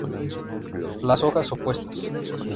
Las hojas opuestas.